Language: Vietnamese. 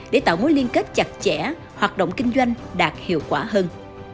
để tạo mối liên kết chặt chẽ hoạt động kinh doanh đạt hiệu quả hơn